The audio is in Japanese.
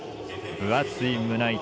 分厚い胸板。